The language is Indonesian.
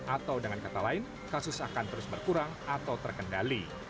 atau dengan kata lain kasus akan terus berkurang atau terkendali